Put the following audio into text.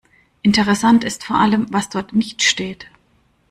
Interessant ist vor allem, was dort nicht steht.